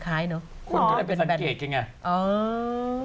คล้ายเนอะคนที่แบบสังเกตเนี่ย